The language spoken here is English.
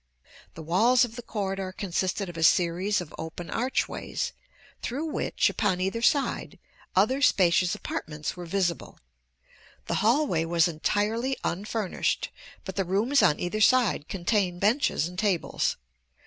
The walls of the corridor consisted of a series of open archways through which, upon either side, other spacious apartments were visible. The hallway was entirely unfurnished, but the rooms on either side contained benches and tables.